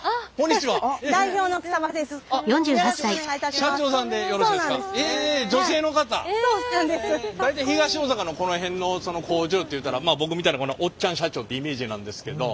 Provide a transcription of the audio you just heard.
大体東大阪のこの辺のその工場っていうたらまあ僕みたいなおっちゃん社長ってイメージなんですけど。